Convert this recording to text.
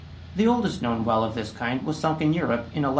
The oldest known well of this kind was sunk in Europe in 1126.